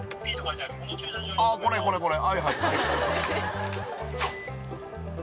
これこれこれ？